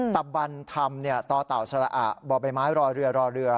ตะบันธรรมต่อเต่าสละอะบ่อใบไม้รอเรือรอเรือ